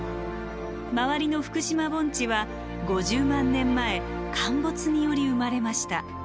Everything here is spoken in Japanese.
周りの福島盆地は５０万年前陥没により生まれました。